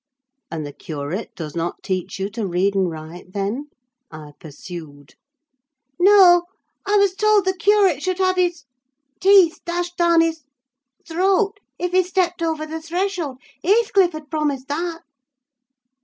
"And the curate does not teach you to read and write, then?" I pursued. "No, I was told the curate should have his —— teeth dashed down his —— throat, if he stepped over the threshold—Heathcliff had promised that!"